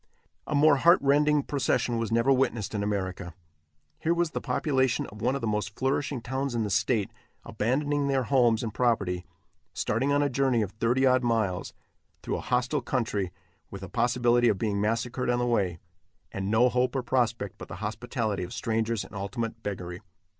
A more heart rending procession was never witnessed in America. Here was the population of one of the most flourishing towns in the state abandoning their homes and property, starting on a journey of thirty odd miles, through a hostile country, with a possibility of being massacred on the way, and no hope or prospect but the hospitality of strangers and ultimate beggary.